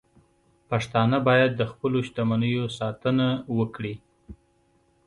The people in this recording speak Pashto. پښتانه باید د خپلو شتمنیو ساتنه وکړي.